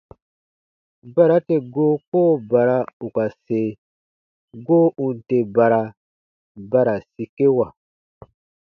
Bara tè goo koo bara ù ka se, goo ù n tè bara, ba ra sikewa.